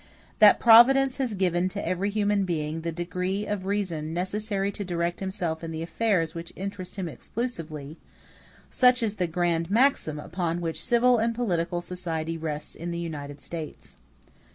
That Providence has given to every human being the degree of reason necessary to direct himself in the affairs which interest him exclusively—such is the grand maxim upon which civil and political society rests in the United States.